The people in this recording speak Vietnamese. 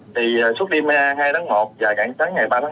thì suốt đêm hai tháng một và cảnh sáng ngày ba tháng một